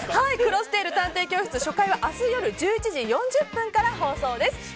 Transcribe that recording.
「クロステイル探偵教室」初回は明日夜１１時４０分から放送です。